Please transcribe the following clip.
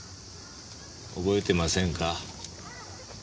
覚えてませんか？